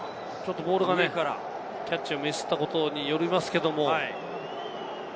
ボールのキャッチをミスしたことによりますけど。